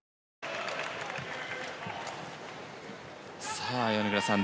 さあ、米倉さん。